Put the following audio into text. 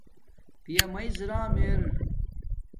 پیا میڎ راحم ارا